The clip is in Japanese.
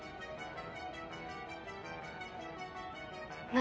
何？